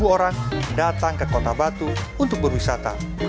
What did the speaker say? empat ratus orang datang ke kota batu untuk berwisata